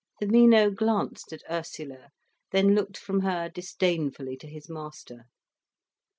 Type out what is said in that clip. The Mino glanced at Ursula, then looked from her disdainfully to his master.